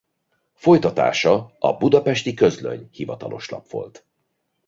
Folytatása a Budapesti Közlöny hivatalos lap volt.